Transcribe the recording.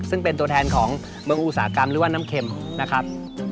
ซึ่งเป็นตัวแทนของเมืองอุตสาหกรรมหรือว่าน้ำเข็มนะครับ